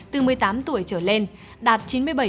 từ một mươi tám tuổi trở lên đạt chín mươi bảy